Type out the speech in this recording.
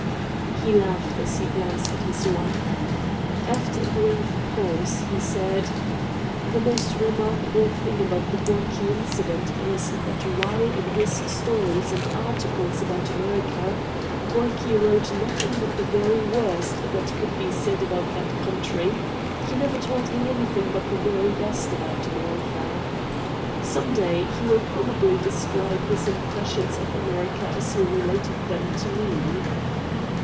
He laughed as he glanced at his wife. After a brief pause, he said : "The most remarkable thing about the Gorky incidentvis that while in his stories and articles about America Gorky wrote nothing but the very worst that could be said about thai country he never told me anything but the very best about America. Some day he will probably describe his impressions of America as he related them to me."